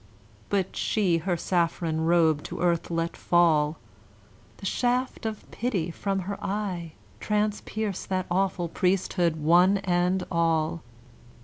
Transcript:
But she her saffron robe to earth let fall: The shaft of pity from her eye Transpierced that awful priesthood one and all.